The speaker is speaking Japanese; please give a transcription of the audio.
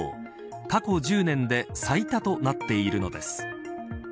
過去１０年で最多となっているのです。